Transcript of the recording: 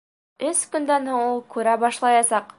— Өс көндән һуң ул күрә башлаясаҡ!